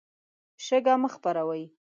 شګه مه خپروئ.